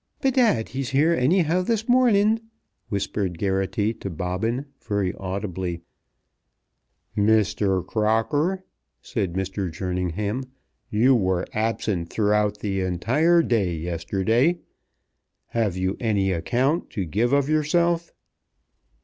"Bedad, he's here anyhow this morning," whispered Geraghty to Bobbin, very audibly. "Mr. Crocker," said Mr. Jerningham, "you were absent throughout the entire day yesterday. Have you any account to give of yourself?"